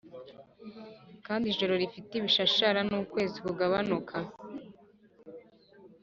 kandi ijoro rifite ibishashara n'ukwezi kugabanuka.